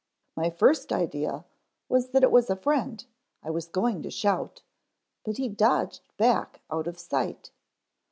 My first idea was that it was a friend, I was going to shout, but he dodged back out of sight.